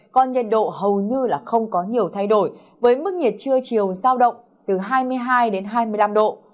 còn nhiệt độ hầu như là không có nhiều thay đổi với mức nhiệt trưa chiều giao động từ hai mươi hai đến hai mươi năm độ